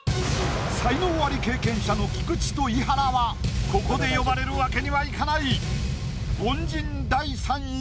才能アリ経験者の菊池と伊原はここで呼ばれるわけにはいかない！